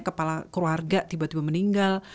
kepala keluarga tiba tiba meninggal